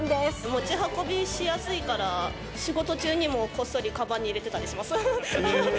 持ち運びしやすいから、仕事中にもこっそりかばんに入れてたりします。